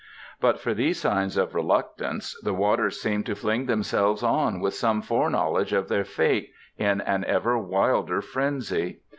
But for these signs of reluctance, the waters seem to fling themselves on with some foreknowledge of their fate, in an ever wilder frenzy.